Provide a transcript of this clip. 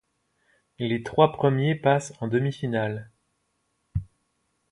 Les trois premiers passent en demi-finale.